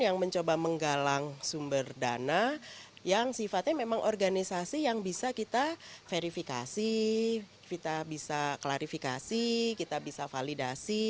yang mencoba menggalang sumber dana yang sifatnya memang organisasi yang bisa kita verifikasi kita bisa klarifikasi kita bisa validasi